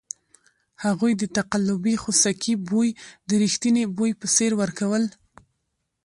هغوی د تقلبي خوسکي بوی د ریښتني بوی په څېر ورکول.